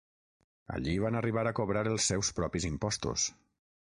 Allí van arribar a cobrar els seus propis impostos.